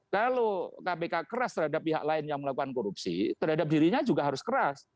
kalau kpk keras terhadap pihak lain yang melakukan korupsi terhadap dirinya juga harus keras